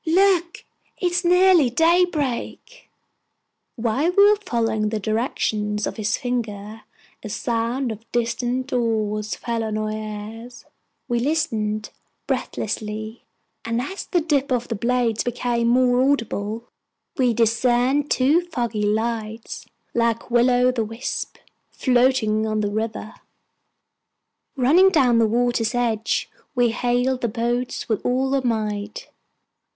"Look, it is nearly daybreak!" While we were following the direction of his finger, a sound of distant oars fell on our ears. We listened breathlessly, and as the dip of the blades became more audible, we discerned two foggy lights, like will o'the wisps, floating on the river. Running down to the water's edge, we hailed the boats with all our might.